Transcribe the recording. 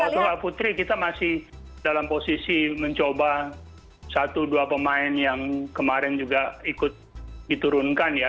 kalau putri kita masih dalam posisi mencoba satu dua pemain yang kemarin juga ikut diturunkan ya